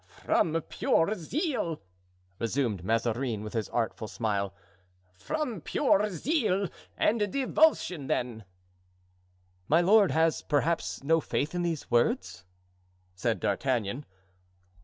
"From pure zeal?" resumed Mazarin, with his artful smile; "from pure zeal and devotion then?" "My lord has, perhaps, no faith in those words?" said D'Artagnan.